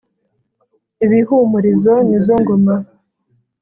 ibihumurizo ni zo ngoma